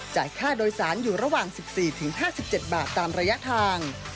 ค่าโดยสารอยู่ระหว่าง๑๔๕๗บาทตามระยะทาง